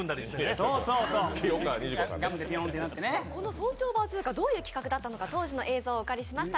「早朝バズーカ」どういう企画だったのか、当時の映像をお借りしました。